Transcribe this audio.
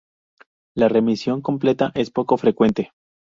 La remisión completa es poco frecuente.